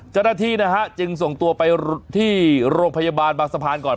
เจ้าหน้าที่นะฮะจึงส่งตัวไปที่โรงพยาบาลบางสะพานก่อน